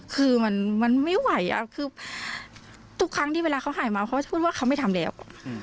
คือมันไม่ไหวคือทุกครั้งที่เวลาเขาหายเมาเขาจะพูดว่าเขาไม่ทำแล้ว